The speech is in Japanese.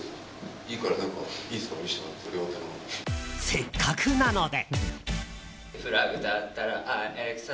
せっかくなので。